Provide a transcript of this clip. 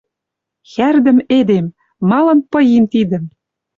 «Хӓрдӹм эдем! Малын пыйим тидӹм